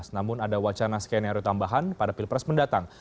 namun ada wacana skenario tambahan pada pilpres mendatang